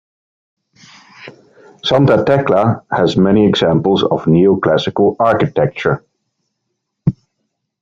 Santa Tecla has many examples of neo-classical architecture.